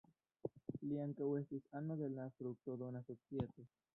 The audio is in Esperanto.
Li ankaŭ estis ano de la "Fruktodona Societo".